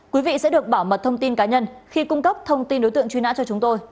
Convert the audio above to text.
quý vị sẽ được bảo mật thông tin cá nhân khi cung cấp thông tin đối tượng truy nã cho chúng tôi